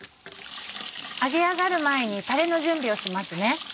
揚げ上がる前にタレの準備をしますね。